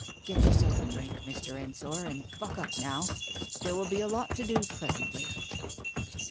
"Get yourself a drink, Mr. Ensor, and buck up now ! There will be a lot to do presently."